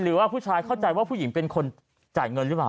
หรือว่าผู้ชายเข้าใจว่าผู้หญิงเป็นคนจ่ายเงินหรือเปล่า